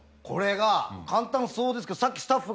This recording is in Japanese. これが簡単そうですけどさっき。